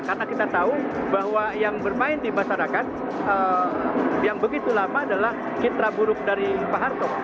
karena kita tahu bahwa yang bermain di masyarakat yang begitu lama adalah citra buruk dari pak ahaye